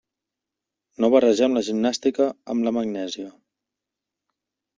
No barregem la gimnàstica amb la magnèsia.